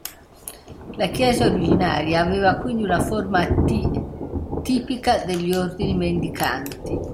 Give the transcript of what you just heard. La chiesa originaria aveva quindi una forma a T, tipica degli ordini mendicanti.